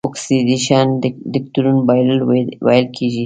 اکسیدیشن د الکترون بایلل ویل کیږي.